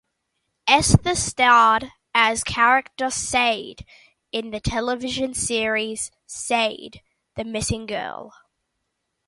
Esther starred as character "Sade" in the television series Sade (The Missing Girl).